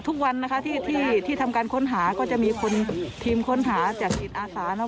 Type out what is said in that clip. ทุกวันนะคะที่ที่ที่ทำการค้นหาก็จะมีคนทีมค้นหาจากอิตอาสานะครับ